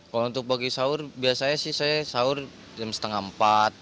kalau untuk bagi sahur biasanya sih saya sahur jam setengah empat